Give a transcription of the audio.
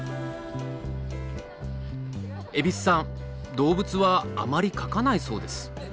動物はあまり描かないそうです。